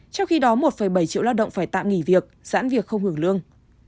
trong khi đó một bảy triệu lao động phải tạm nghỉ việc giãn việc không hưởng lương